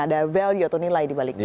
ada value atau nilai di baliknya